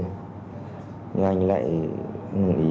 nhưng anh lại đồng ý rằng là